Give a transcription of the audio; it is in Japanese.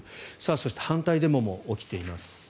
そして反対デモも起きています。